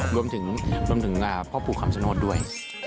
รวมถึงพ่อผู้ขำสนดดด้วย